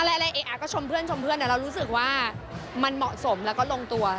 เอ๊ะก็ชมเพื่อนชมเพื่อนแต่เรารู้สึกว่ามันเหมาะสมแล้วก็ลงตัว